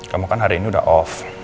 kamu kan hari ini udah off